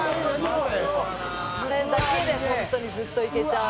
「これだけで本当にずっといけちゃう」